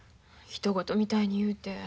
ひと事みたいに言うて。